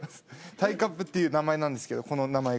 タイカップっていう名前なんですけどこの名前が。